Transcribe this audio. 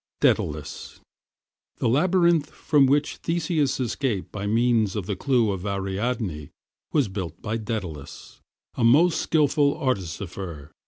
DAEDALUS The labyrinth from which Theseus escaped by means of the clew of Ariadne was built by Daedalus, a most skilful artificer.